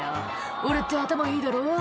「俺って頭いいだろ」